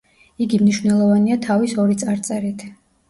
იგი მნიშვნელოვანია თავის ორი წარწერით.